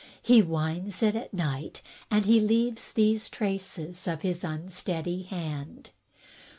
He winds it at night, and he leaves these traces of his unsteady hand.